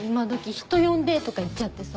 「人呼んで」とか言っちゃってさ。